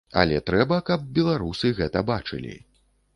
Але трэба, каб беларусы гэта бачылі.